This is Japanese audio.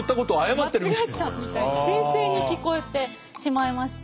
間違ったみたいな訂正に聞こえてしまいまして。